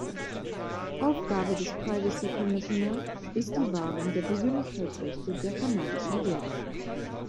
Aufgabe des Privacy Commissioner ist die Wahrung der Persönlichkeitsrechte der kanadischen Bürger.